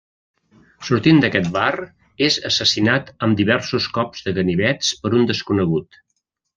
Sortint d'aquest bar, és assassinat amb diversos cops de ganivets per un desconegut.